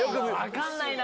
・分かんないな。